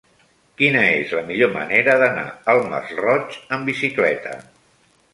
Quina és la millor manera d'anar al Masroig amb bicicleta?